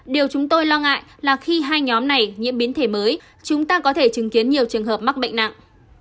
điều chúng tôi lo ngại là khi hai nhóm này nhiễm biến thể mới chúng ta có thể chứng kiến nhiều trường hợp mắc bệnh nặng